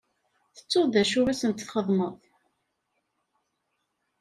Tettuḍ d acu i sent-txedmeḍ?